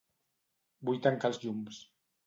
Vull tancar els llums.